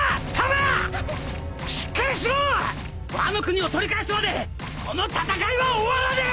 ワノ国を取り返すまでこの戦いは終わらねえ！